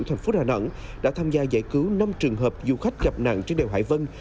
thành phố đà nẵng đã tham gia giải cứu năm trường hợp du khách gặp nạn trên đèo hải vân